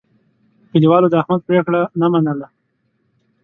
کلیوالو د احمد پرېکړه نه منله.